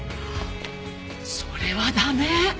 それは駄目！